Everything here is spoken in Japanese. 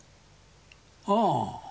ああ。